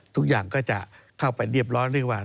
ทุกอย่างก็จะเข้าไปเรียบร้อยเรียกว่า